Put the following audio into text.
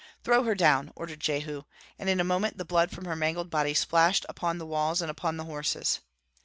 "Throw her down!" ordered Jehu; and in a moment the blood from her mangled body splashed upon the walls and upon the horses.